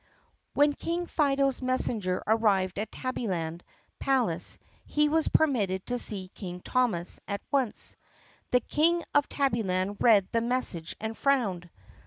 W HEN King Fido's messenger arrived at Tabbvland Palace he was permitted to see King Thomas at once. The King of Tabbvland read the message and frowned.